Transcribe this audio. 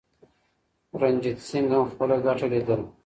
رنجیت سنګ هم خپله ګټه لیدله.